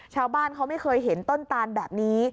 ชาวบ้านเขาไม่เคยเห็นต้นตานแบบนี้